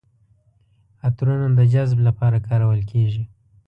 عطرونه د جذب لپاره کارول کیږي.